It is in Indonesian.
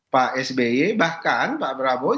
pak sby bahkan pak prabowo